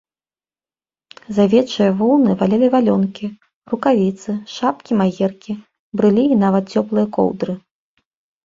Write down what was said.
З авечае воўны валялі валёнкі, рукавіцы, шапкі-магеркі, брылі і нават цёплыя коўдры.